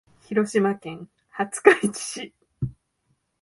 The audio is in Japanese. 広島県廿日市市